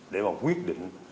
để mà quyết định